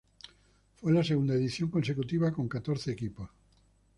Fue la segunda edición consecutiva con catorce equipos.